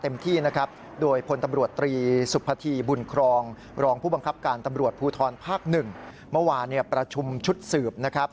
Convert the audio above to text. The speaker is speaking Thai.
เมื่อวานี่ประชุมชุดสืบนะครับ